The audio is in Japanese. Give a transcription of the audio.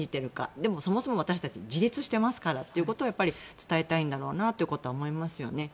でも、そもそも私たちは自立していますからということを伝えたいんだろうなということを思いますよね。